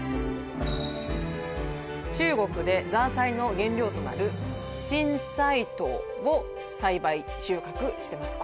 中国で搾菜の原料となる青菜頭を栽培・収穫してます